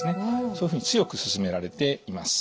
そういうふうに強く勧められています。